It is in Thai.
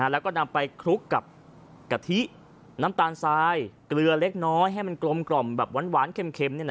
แล้วก็นำไปคลุกกับกะทิน้ำตาลทรายเกลือเล็กน้อยให้มันกลมแบบหวานเค็ม